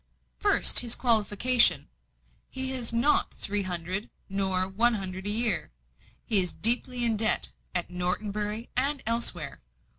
"First, his qualification. He has not three hundred, nor one hundred a year. He is deeply in debt, at Norton Bury and elsewhere.